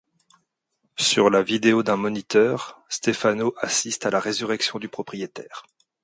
Sur la vidéo d'un moniteur, Stefano assiste à la résurrection du propriétaire.